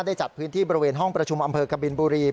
จัดพื้นที่บริเวณห้องประชุมอำเภอกบินบุรี